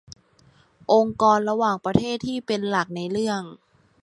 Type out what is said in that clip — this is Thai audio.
องค์กรระหว่างประเทศที่เป็นหลักในเรื่อง